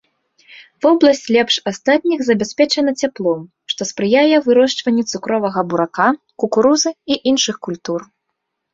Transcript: Вобласць лепш астатніх забяспечана цяплом, што спрыяе вырошчванню цукровага бурака, кукурузы і іншых культур.